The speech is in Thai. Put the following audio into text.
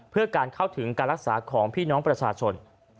เพื่อการเข้าถึงการรักษาของพี่น้องประชาชน